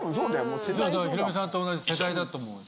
ヒロミさんと同じ世代だと思う。